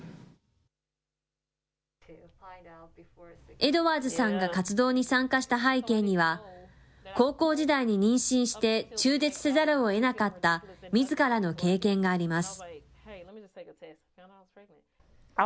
エドワーズさんが活動に参加した背景には、高校時代に妊娠して中絶せざるをえなかったみずからの経験があります。